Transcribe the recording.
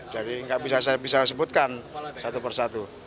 jadi nggak bisa saya sebutkan satu persatu